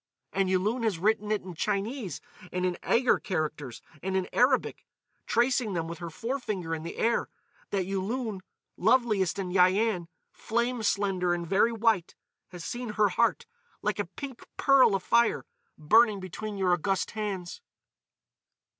And Yulun has written it in Chinese, in Eighur characters and in Arabic,—tracing them with her forefinger in the air—that Yulun, loveliest in Yian, flame slender and very white, has seen her heart, like a pink pearl afire, burning between your august hands."